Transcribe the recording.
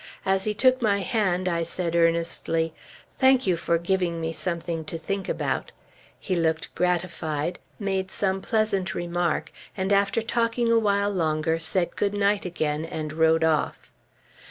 As he took my hand, I said earnestly, "Thank you for giving me something to think about." He looked gratified, made some pleasant remark, and after talking a while longer, said good night again and rode off.